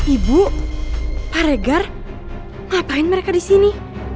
ibu pak regar ngapain mereka di sini